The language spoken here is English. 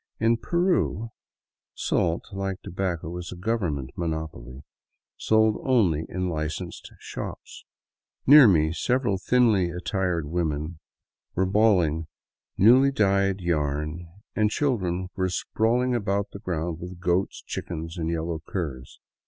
In Peru, salt, like tobacco, is a government monopoly, sold only in licensed shops. Near me several thinly attired women were balling newly dyed yarn, and children were sprawling about the ground with goats, chickens, and yellow curs.